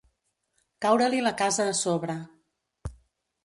Caure-li la casa a sobre.